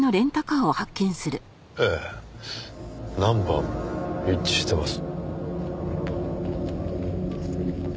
ええナンバーも一致してます。